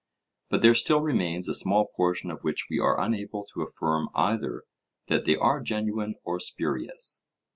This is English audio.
But there still remains a small portion of which we are unable to affirm either that they are genuine or spurious.